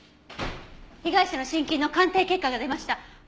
被害者の心筋の鑑定結果が出ました。